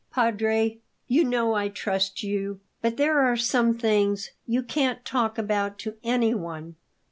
"Padre, you know I trust you! But there are some things you can't talk about to anyone.